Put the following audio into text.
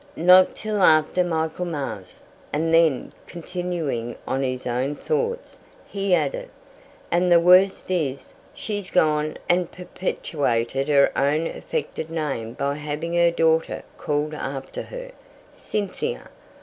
"Not till after Michaelmas." And then, continuing on his own thoughts, he added, "And the worst is, she's gone and perpetuated her own affected name by having her daughter called after her. Cynthia!